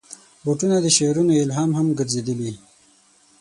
بوټونه د شعرونو الهام هم ګرځېدلي.